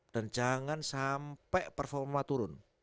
dan jangan sampai performa turun